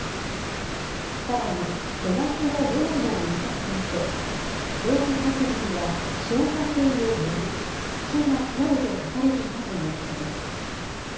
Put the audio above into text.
さらに、手書きのメモも見つかっていて、放火殺人や、消火栓を塗る、隙間などと書かれていたということです。